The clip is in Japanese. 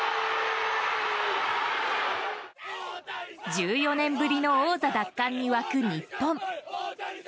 １４年ぶりの王座奪還に沸く日本。